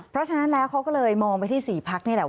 เพราะฉะนั้นแล้วเขาก็เลยมองไปที่๔พักนี่แหละ